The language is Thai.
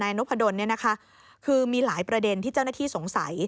นายนกพะดนเนี่ยนะคะคือมีหลายประเด็นที่เจ้าหน้าที่สงสัย